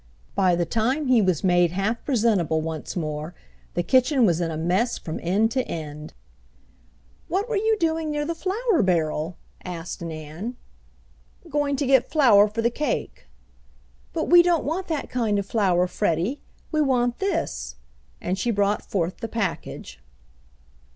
By the time he was made half presentable once more the kitchen was in a mess from end to end. "What were you doing near the flour barrel?" asked Nan. "Going to get flour for the cake." "But we don't want that kind of flour, Freddie. We want this," and she brought forth the package.